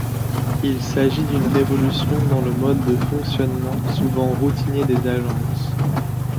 Il s’agit d’une révolution dans le mode de fonctionnement souvent routinier des agences.